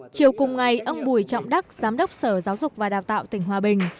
chiều cùng ngày ông bùi trọng đắc giám đốc sở giáo dục và đào tạo tỉnh hòa bình